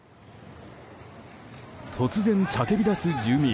突然叫び出す住民。